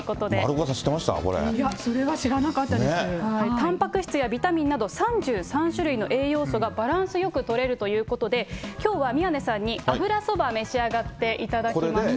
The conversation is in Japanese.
丸岡さん、いや、それは知らなかったでたんぱく質やビタミンなど、３３種類の栄養素がバランスよく取れるということで、きょうは宮根さんに油そば、召し上がっていただきます。